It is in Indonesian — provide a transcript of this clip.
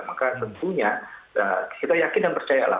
maka tentunya kita yakin dan percaya lah